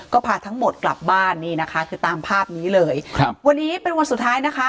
ก็พาทั้งหมดกลับบ้านนี่นะคะคือตามภาพนี้เลยครับวันนี้เป็นวันสุดท้ายนะคะ